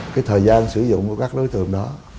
cái thời gian sử dụng của các đối tượng đó